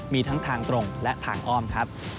มีทั้งทางตรงและทางอ้อมครับ